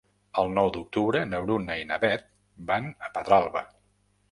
El nou d'octubre na Bruna i na Beth van a Pedralba.